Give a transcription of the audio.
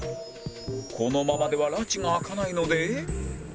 このままではらちが明かないので